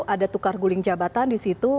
ada tukar guling jabatan disitu